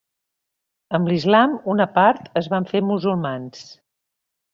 Amb l'islam una part es van fer musulmans.